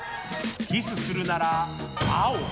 キスするなら青。